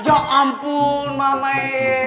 ya ampun mamae